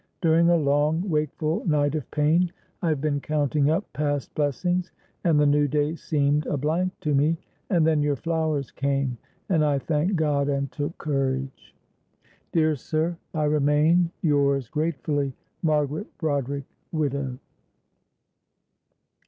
During a long, wakeful night of pain I have been counting up past blessings, and the new day seemed a blank to me, and then your flowers came, and I thanked God and took courage. "Dear sir, I remain, "Yours gratefully, "MARGARET BRODERICK (widow)."